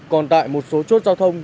còn tại một số chốt giao thông